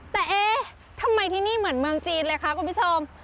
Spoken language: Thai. แต่เอ๊ะทำไมที่นี่เหมือนเมืองจีนเลยคะคุณผู้ชม